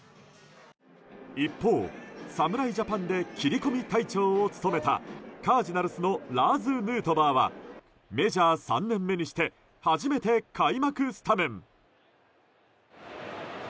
一方、侍ジャパンで切り込み隊長を務めたカージナルスのラーズ・ヌートバーはメジャー３年目にして初めて開幕スタメン。